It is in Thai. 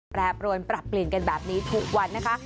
แปรปรวนปรับเปลี่ยนกันแบบนี้ทุกวันนะคะ